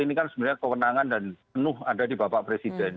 ini kan sebenarnya kewenangan dan penuh ada di bapak presiden